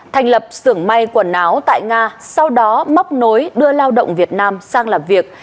thành lập xưởng may quần áo tại nga sau đó móc nối đưa lao động việt nam sang làm việc